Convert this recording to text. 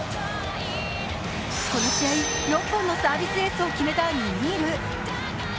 この試合、６本のサービスエースを決めたニミール。